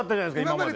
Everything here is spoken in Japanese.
今まで。